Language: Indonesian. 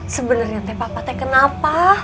sebenernya teh papa teh kenapa